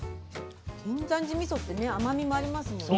金山寺みそってね甘みもありますもんね。